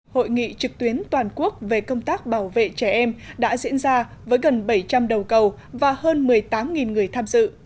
hội nghị trực tuyến toàn quốc về công tác bảo vệ trẻ em đã diễn ra với gần bảy trăm linh đầu cầu và hơn một mươi tám người tham dự